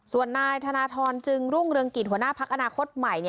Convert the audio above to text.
ส่วนนายธนทรจึงรุ่งเรืองกิจหัวหน้าพักอนาคตใหม่